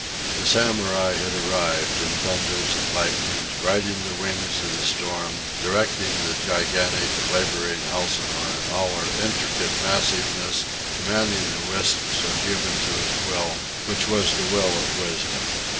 The Samurai had arrived, in thunders and lightnings, riding the wings of the storm, directing the gigantic, labouring Elsinore in all her intricate massiveness, commanding the wisps of humans to his will, which was the will of wisdom.